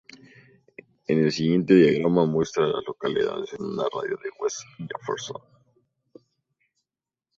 El siguiente diagrama muestra a las localidades en un radio de de West Jefferson.